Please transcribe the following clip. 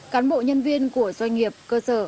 cán bộ nhân viên của doanh nghiệp cơ sở